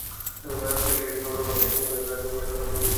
পরিশেষে নগররক্ষক এই সংবাদ পাইয়া রাজকুমার ও স্বর্ণকার উভয়কে রুদ্ধ করিল।